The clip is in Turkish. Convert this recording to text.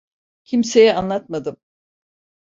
Kimseye anlatmadım.